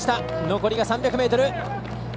残り３００ｍ。